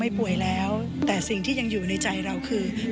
พี่ว่าความมีสปีริตของพี่แหวนเป็นตัวอย่างที่พี่จะนึกถึงเขาเสมอ